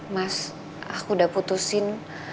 mas aku udah putusin